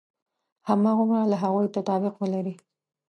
هماغومره له هغوی تطابق ولري.